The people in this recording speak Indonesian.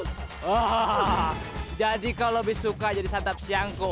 hahaha jadi kalau lebih suka jadi santap siangku